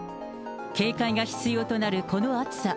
警戒が必要となるこの暑さ。